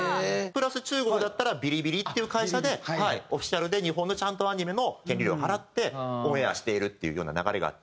プラス中国だったらｂｉｌｉｂｉｌｉっていう会社でオフィシャルで日本のちゃんとアニメの権利料払ってオンエアしているっていうような流れがあって。